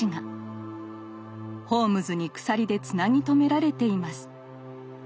ホームズに鎖でつなぎ止められています。